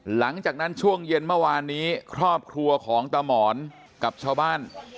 หลังจากนั้นช่วงเย็นเมื่อวานนี้ครอบครัวของตามหมอนกับชาวบ้าน